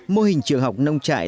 mô hình trường học nông trại